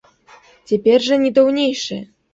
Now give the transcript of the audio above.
Цяпер жа не даўнейшае.